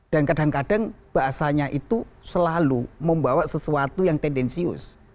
dan kadang kadang bahasanya itu selalu membawa sesuatu yang tendensius